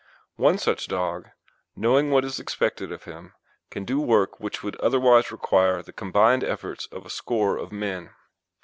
One such dog, knowing what is expected of him, can do work which would otherwise require the combined efforts of a score of men.